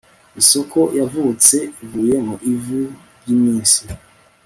Isoko yavutse ivuye mu ivu ryiminsi